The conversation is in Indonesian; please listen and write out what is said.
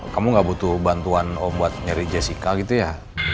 kamu gak butuh bantuan buat nyari jessica gitu ya